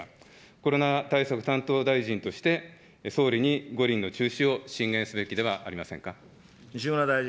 コロナ対策担当大臣として、総理に五輪の中止を進言すべきではありませんか。